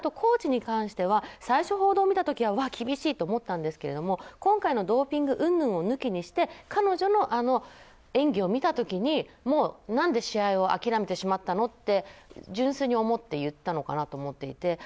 あと、コーチに関しては最初、報道を見た時は厳しいと思ったんですが今回のドーピングうんぬんを抜きにして彼女のあの演技を見た時に何で試合を諦めてしまったのって純粋に思って言ったのかなと思ってしまって。